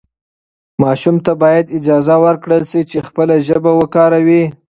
ماشوم ته باید اجازه ورکړل شي چې خپله ژبه وکاروي.